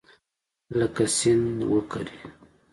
لکه سیند وکرې